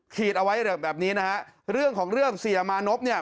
เอาไว้แบบนี้นะฮะเรื่องของเรื่องเสียมานพเนี่ย